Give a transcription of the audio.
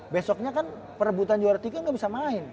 besoknya kan perebutan juara tiga gak bisa main